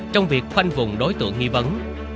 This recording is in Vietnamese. trong việc khoanh vùng đối tượng nghi vấn